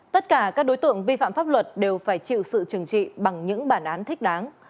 tất cả các đối tượng vi phạm pháp luật đều phải chịu sự trừng trị bằng những bản án thích đáng